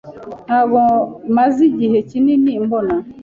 Ntabwo maze igihe kinini mbona.